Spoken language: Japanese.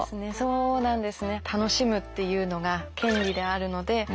そうなんです。